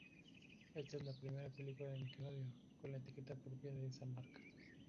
Esta es la primera película de Nickelodeon, con la etiqueta propia de esta marca.